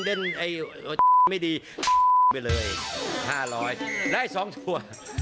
แล้วให้๒ตัว